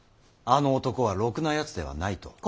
あの男はろくなやつではないと。